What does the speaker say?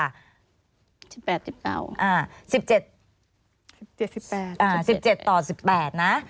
อ่า๑๗ต่อ๑๘นะ